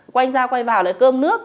quanh ra quay vào lại cơm nước